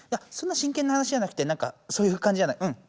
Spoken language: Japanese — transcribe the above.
そんな真剣な話じゃなくてなんかそういう感じじゃない。